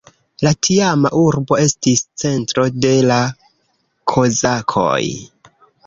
La tiama urbo estis centro de la kozakoj.